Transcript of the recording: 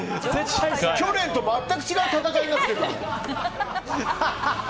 去年と全く違う戦いになってるもん。